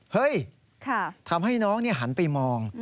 เฮ้ยทำให้น้องหันไปมอง